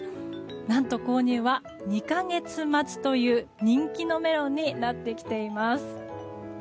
何と購入は２か月待ちという人気のメロンになってきています。